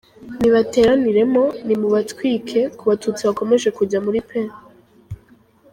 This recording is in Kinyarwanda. nibateraniremo, nimubatwike, ku Batutsi bakomeje kujya muri P.